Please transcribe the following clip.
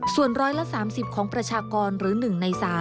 ส่วน๑๓๐ของประชากรหรือ๑ใน๓